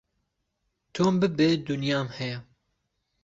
تۆم ببێ دونیام هەیە